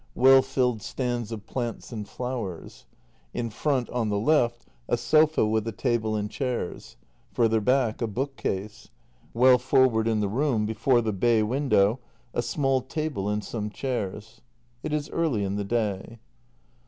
Well filled stands of plants and flowers. In front, on the left, a sofa ivith a table and chairs. Further back, a bookcase. Well forward in the room, before the bay window, a small table and some chairs. It is early in the day.